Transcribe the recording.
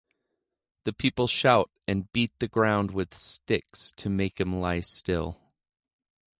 The people shout and beat the ground with sticks to make him lie still.